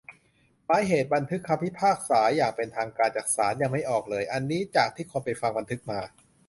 หมายเหตุ : บันทึกคำพิพากษาอย่างเป็นทางการจากศาล ยังไม่ออกเลย. อันนี้จากที่คนไปฟังบันทึกมา